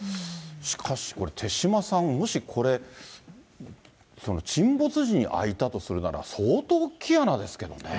しかしこれ、手嶋さん、もしこれ、沈没時に開いたとするなら、相当大きい穴ですけどね。